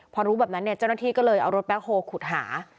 พอรู้แบบนั้นเนี่ยเจ้าหน้าที่ก็เลยเอารถแบ็คโฮลขุดหา